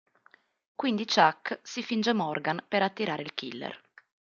Quindi Chuck si finge Morgan per attirare il killer.